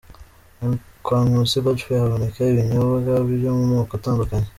Kwa Nkusi Godfrey haboneka ibinyobwa byo mu moko atandukanye.